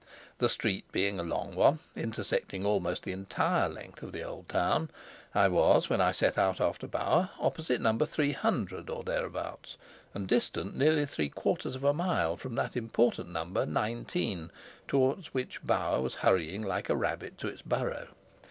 The street being a long one, intersecting almost the entire length of the old town, I was, when I set out after Bauer, opposite number 300 or thereabouts, and distant nearly three quarters of a mile from that important number nineteen, towards which Bauer was hurrying like a rabbit to its burrow.